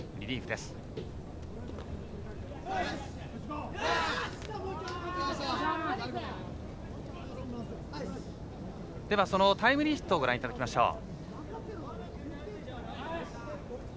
では、そのタイムリーヒットをご覧いただきましょう。